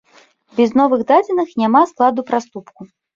Без новых дадзеных няма складу праступку.